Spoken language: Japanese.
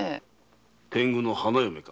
天狗の花嫁か。